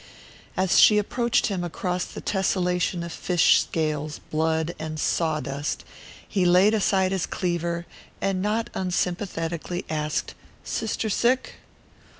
As she approached him across the tesselation of fish scales, blood and saw dust, he laid aside his cleaver and not unsympathetically asked: "Sister sick?"